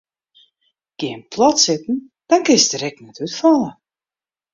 Gean plat sitten dan kinst der ek net útfalle.